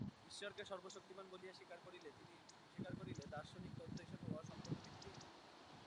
ঈশ্বরকে সর্বশক্তিমান বলিয়া স্বীকার করিলে দার্শনিক তত্ত্ব হিসাবে উহা সম্পূর্ণ ভিত্তিহীন।